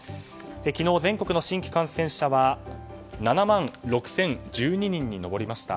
昨日、全国の新規感染者は７万６０１２人に上りました。